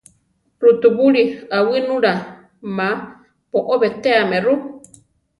Rutubúli awínula má boʼó betéame ru.